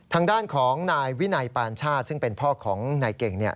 ทางด้านของนายวินัยปานชาติซึ่งเป็นพ่อของนายเก่ง